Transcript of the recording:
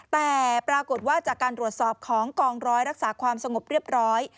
แต่ปรากฏว่าจากการตรวจสอบของกองร้อยรักษาความสงบเรียบร้อย